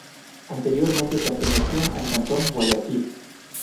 Anteriormente pertenecía al cantón Guayaquil.